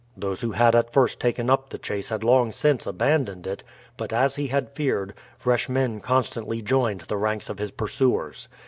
Those who had at first taken up the chase had long since abandoned it; but, as he had feared, fresh men constantly joined the ranks of his pursuers.